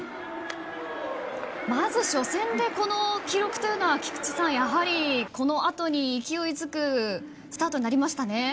まず初戦でこの記録というのは菊池さんやはりこのあとに勢いづくスタートになりましたね。